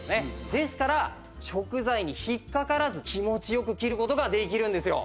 ですから食材に引っかからず気持ち良く切る事ができるんですよ。